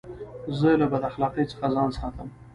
زه له بداخلاقۍ څخه ځان ساتم.